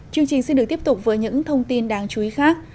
chương trình xin được tiếp tục với những thông tin đáng chú ý khác